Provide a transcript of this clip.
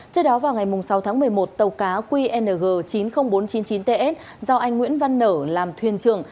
trước đó vào ngày sáu tháng một mươi một tàu cá qng chín mươi nghìn bốn trăm chín mươi chín ts do anh nguyễn văn nở làm thuyền trưởng